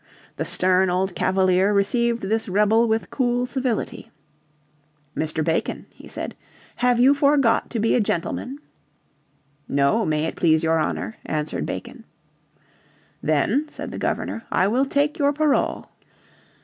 The stern old Cavalier received this rebel with cool civility. "Mr. Bacon," he said, "have you forgot to be a gentleman?" "No, may it please your honour," answered Bacon, "Then," said the Governor, "I will take your parole."